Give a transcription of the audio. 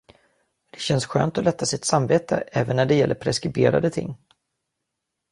Men det känns skönt att lätta sitt samvete, även när det gäller preskriberade ting.